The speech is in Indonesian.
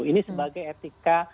ini sebagai etika